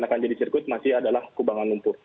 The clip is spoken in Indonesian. akan jadi sirkuit masih adalah kubangan lumpur